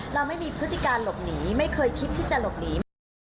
เราไม่มีพฤติการหลบหนีไม่เคยคิดที่จะหลบหนีมา